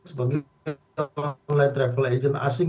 sebagai sebuah nilai travel agent asing